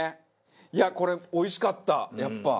いやこれおいしかったやっぱ。